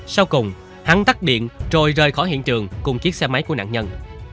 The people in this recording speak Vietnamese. sau cùng hắn tắt điện rồi rời khỏi hiện trường cùng chiếc xe máy của nạn nhân